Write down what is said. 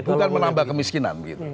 bukan menambah kemiskinan gitu